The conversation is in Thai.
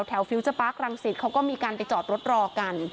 ฟิวเจอร์ปาร์ครังสิตเขาก็มีการไปจอดรถรอกัน